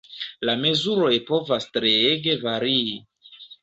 La mezuroj povas treege varii.